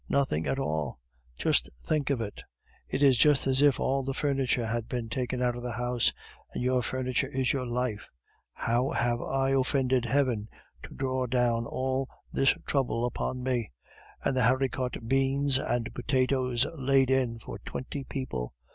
Nothing at all. Just think of it! It is just as if all the furniture had been taken out of the house, and your furniture is your life. How have I offended heaven to draw down all this trouble upon me? And haricot beans and potatoes laid in for twenty people!